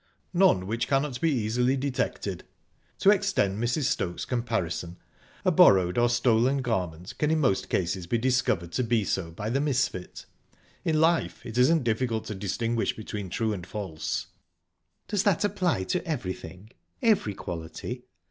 "None which cannot be easily detected," said Judge. "To extend Mrs. Stokes' comparison: a borrowed or stolen garment can in most cases be discovered to be so by the misfit. In life, it isn't difficult to distinguish between true and false." "Does that apply to everything every quality?"